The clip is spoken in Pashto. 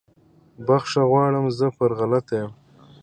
بخښنه غواړم زه پر غلطه یم